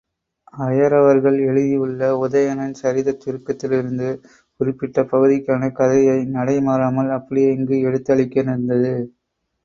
ஐயரவர்கள் எழுதியுள்ள உதயணன் சரிதச் சுருக்கத்திலிருந்து குறிப்பிட்ட பகுதிக்கான கதையை, நடைமாறாமல் அப்படியே இங்கு எடுத்து அளிக்க நேர்ந்தது.